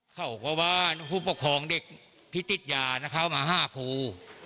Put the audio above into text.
เขาก็ว่าผู้ปกครองเด็กที่ติดยานะคะมา๕ครู